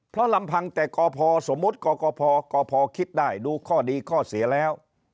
เพราะลำพังแต่กพสมมุติกกพกพคิดได้ดูข้อดีข้อเสียแล้ว